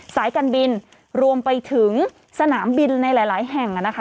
สายการบินรวมไปถึงสนามบินในหลายแห่ง